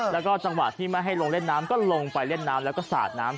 แล้วก็จังหวะที่ไม่ให้ลงเล่นน้ำก็ลงไปเล่นน้ำแล้วก็สาดน้ำ